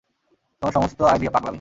তোমার সমস্ত আইডিয়া পাগলামি।